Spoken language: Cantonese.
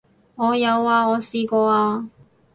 我有啊，我試過啊